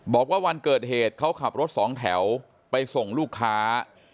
บอกว่าวันเกิดเหตุเขาขับรถสองแถวไปส่งลูกค้า